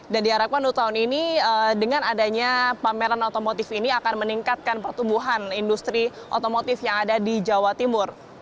jadi ini akan meningkatkan pertumbuhan industri otomotif yang ada di jawa timur